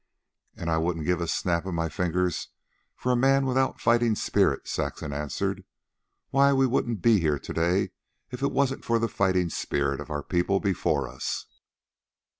"And I wouldn't give a snap of my fingers for a man without fighting spirit," Saxon answered. "Why, we wouldn't be here to day if it wasn't for the fighting spirit of our people before us."